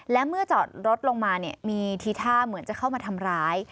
และเมื่อจอดรถลงมามีทีท่าเหมือนจะเข้ามาทำร้าย